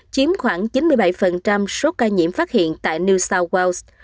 chiếm khoảng chín mươi bảy số ca nhiễm phát hiện tại new south wales